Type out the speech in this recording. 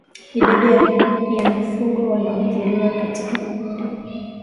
Idadi ya mifugo wanaoathiriwa katika kundi